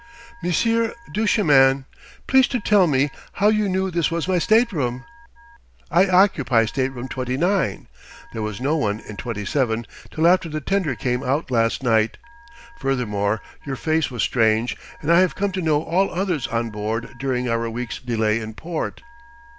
"Monsieur Duchemin.... Please to tell me how you knew this was my stateroom?" "I occupy Stateroom 29. There was no one in 27 till after the tender came out last night. Furthermore, your face was strange, and I have come to know all others on board during our week's delay in port."